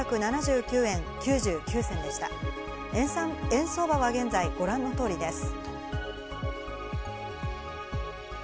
円相場は現在ご覧の通りです。